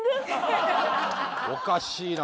おかしいな。